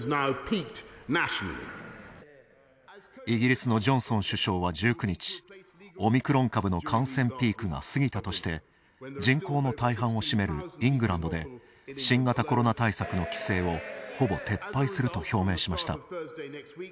イギリスのジョンソン首相は１９日、オミクロン株の感染ピークが過ぎたとして人口の大半を占めるイングランドで新型コロナ対策の規制をほぼ撤廃すると表明しました。